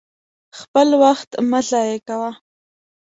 خپل وخت مه ضايع کوه!